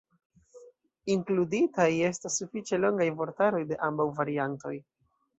Inkluditaj estas sufiĉe longaj vortaroj de ambaŭ variantoj.